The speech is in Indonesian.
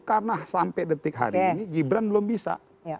karena sampai detik hari ini gibran belum bisa